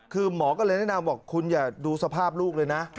คือหมอก็เลยแนะนำบอกคุณอย่าดูสภาพลูกเลยนะ